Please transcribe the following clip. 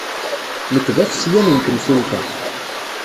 Nekk d afesyan n temsulta.